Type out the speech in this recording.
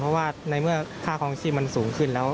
เพราะว่าในเมื่อค่าคลองชีพมันสูงขึ้นแล้ว